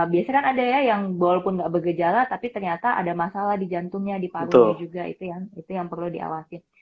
biasanya kan ada ya yang walaupun nggak bergejala tapi ternyata ada masalah di jantungnya di parunya juga itu yang perlu diawasin